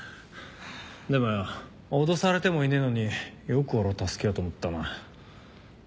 でもよ脅されてもいねえのによく俺を助けようと思ったな。